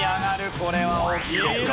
これは大きいですよ。